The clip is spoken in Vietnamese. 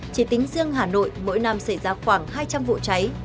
chỉ tính riêng hà nội mỗi năm xảy ra khoảng hai trăm linh vụ cháy